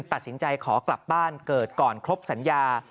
ตัดสินใจขอกลับบ้านเกิดก่อนครบสัญญา